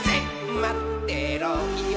「まってろよ！」